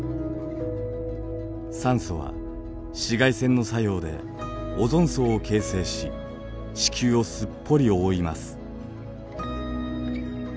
酸素は紫外線の作用でオゾン層を形成し地球をすっぽり覆います。